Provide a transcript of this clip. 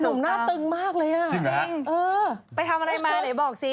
นุ้มหน้าตึงมากเลยอ่ะจริงเป็นไปทำอะไรมาเดี๋ยวบอกสิ